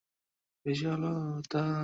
ঘুম ভাঙলে তিনি চোখ মেললেন।